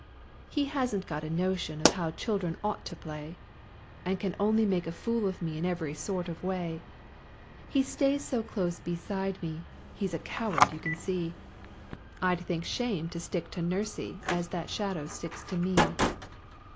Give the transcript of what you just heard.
He hasn't got a notion of how children ought to play, And can only make a fool of me in every sort of way. He stays so close beside me, he's a coward you can see; I'd think shame to stick to nursie as that shadow sticks to me!